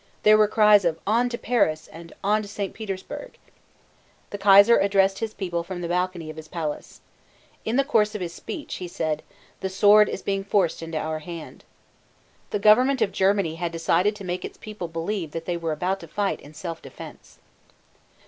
There were cries of "On to Paris" and "On to St. Petersburg." The Kaiser addressed his people from the balcony of his palace. In the course of his speech, he said, "The sword is being forced into our hand." The government of Germany had decided to make its people believe that they were about to fight in self defense.